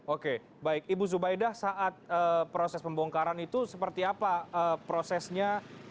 oke baik ibu zubaidah saat proses pembongkaran itu seperti apa prosesnya